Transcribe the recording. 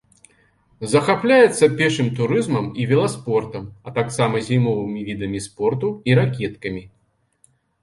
Захапляецца пешым турызмам і веласпортам, а таксама зімовымі відамі спорту і ракеткамі.